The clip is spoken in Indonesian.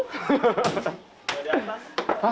nggak di atas